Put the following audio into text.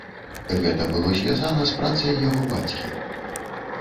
Гэта было звязана з працай яго бацькі.